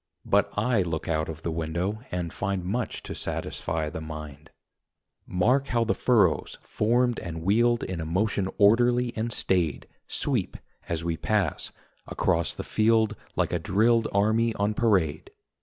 But I look out of the window and find Much to satisfy the mind. Mark how the furrows, formed and wheeled In a motion orderly and staid, Sweep, as we pass, across the field Like a drilled army on parade.